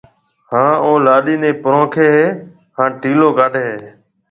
ھان او لاڏَي نيَ پرونکيَ ھيََََ ھان ٽِيلو ڪاڊھيََََ ھيََََ